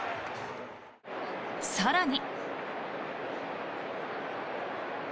更に。